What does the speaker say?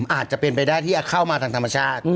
อาจจะเป็นไปได้ที่เข้ามาทางธรรมชาติ